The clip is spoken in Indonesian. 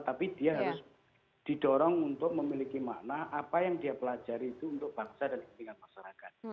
tapi dia harus didorong untuk memiliki makna apa yang dia pelajari itu untuk bangsa dan kepentingan masyarakat